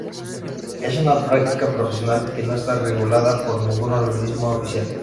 Es una práctica profesional que no está regulada por ningún organismo oficial.